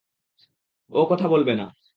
ও কথা বলবে না।